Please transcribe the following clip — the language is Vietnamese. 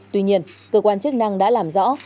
tuy nhiên cơ quan chức năng đã làm rõ